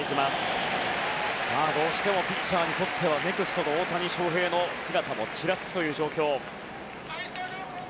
どうしてもピッチャーにとってはネクストの大谷翔平の姿もちらつくという状況。